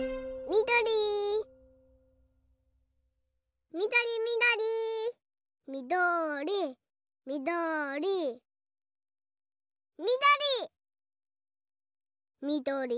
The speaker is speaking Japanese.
みどりみどりみどりみどり。